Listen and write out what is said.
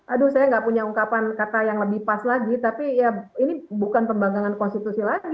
aduh saya nggak punya ungkapan kata yang lebih pas lagi tapi ya ini bukan pembanggangan konstitusi lagi